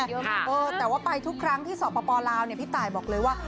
เออแต่ว่าไปทุกครั้งที่สปลาวเนี่ยพี่ตายบอกเลยว่า